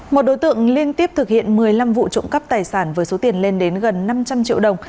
một đối tượng liên tiếp thực hiện một mươi năm vụ trộm cắp tài sản với số tiền lên đến gần năm trăm linh triệu đồng